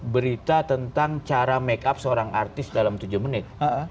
berita tentang cara make up seorang artis dalam tujuh menit